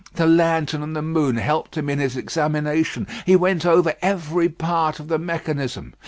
The lantern and the moon helped him in his examination. He went over every part of the mechanism.